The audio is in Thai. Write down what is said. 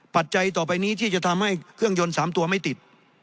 ปัจจัยต่อไปนี้ที่จะทำให้เครื่องยนต์๓ตัวไม่ติด